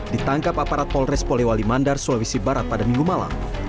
ditangkap aparat polres polewali mandar sulawesi barat pada minggu malam